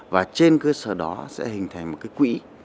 và trên cơ sở đó sẽ hình thành một cái quỹ